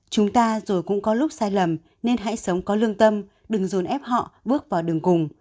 chúng ta rồi cũng có lúc sai lầm nên hãy sống có lương tâm đừng dồn ép họ bước vào đường cùng